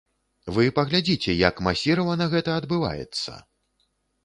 Вы паглядзіце, як масіравана гэта адбываецца.